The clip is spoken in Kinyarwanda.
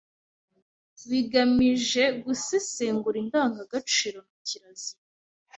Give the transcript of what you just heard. bigamije gusesengura indangagaciro na kirazira